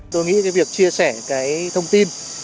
tôi nghĩ việc chia sẻ thông tin